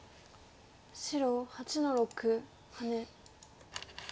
白８の六ハネ。